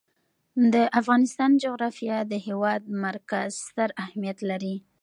د افغانستان جغرافیه کې د هېواد مرکز ستر اهمیت لري.